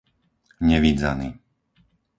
Nevidzany